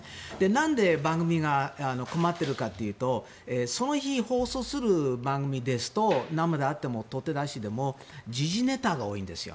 なんで番組が困ってるかというとその日放送する番組ですと生であっても撮って出しでも時事ネタが多いんですよ。